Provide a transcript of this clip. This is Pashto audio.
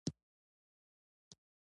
د زغم لپاره څه شی اړین دی؟